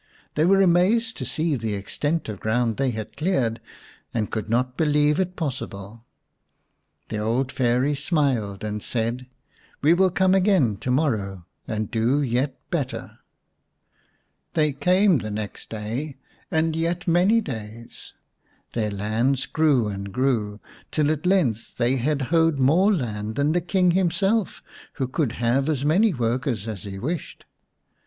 They were amazed to see the extent of ground they had cleared, and could not believe it possible. The old Fairy smiled and said, " We will come again to morrow and do yet better." They came the next day, and yet many days. Their lands grew and grew till at length they had hoed more land than the King himself, who could have as many workers as he wished.